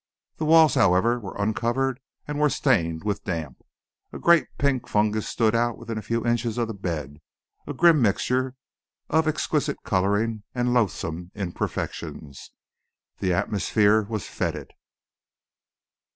The walls, however, were uncovered and were stained with damp. A great pink fungus stood out within a few inches of the bed, a grim mixture of exquisite colouring and loathsome imperfections. The atmosphere was fetid.